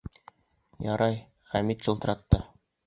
Ярай, Хәмит шылтыратты.